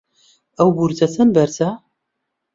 ئەو بورجە چەند بەرزە؟